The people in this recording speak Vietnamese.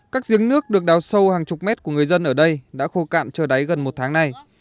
các giếng nước được đào sâu hàng chục mét của người dân ở đây đã khô cạn trời đáy gần một tháng nay